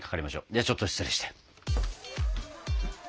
ではちょっと失礼して。